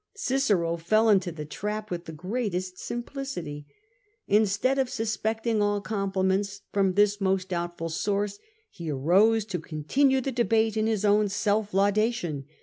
Cicero fell into the trap with the greatest simplicity. Instead of suspecting all com pliments from this most doubtful source, he arose to continue the debate in bis own self laudation.